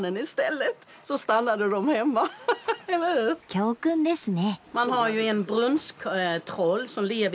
教訓ですね。